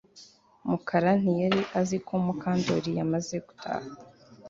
Mukara ntiyari azi ko Mukandoli yamaze gutaha